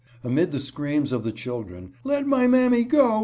Amid the screams of the children, " Let my mammy go